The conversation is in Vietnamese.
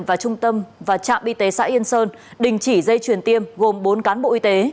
và trung tâm và trạm y tế xã yên sơn đình chỉ dây chuyển tiêm gồm bốn cán bộ y tế